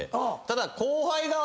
ただ。